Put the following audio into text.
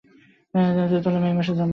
তার ছোট বোন মে মাসে জন্মগ্রহণ করে।